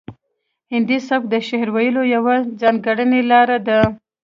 هندي سبک د شعر ویلو یوه ځانګړې لار ده